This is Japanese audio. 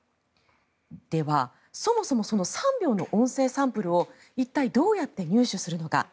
では、そもそもその３秒の音声サンプルを一体、どうやって入手するのか。